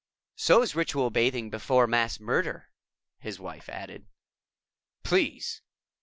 "So's ritual bathing before mass murder," his wife added. "Please!